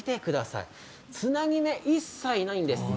つなぎ目、一切ないんです。